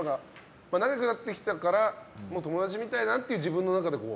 長くなってきたから友達みたいだなって自分の中で、こう。